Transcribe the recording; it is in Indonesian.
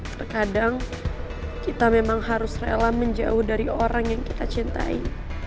terkadang kita memang harus rela menjauh dari orang yang kita cintai